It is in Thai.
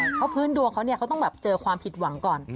เพราะพื้นดวงเขาเนี่ยเขาต้องแบบเจอความผิดหวังก่อน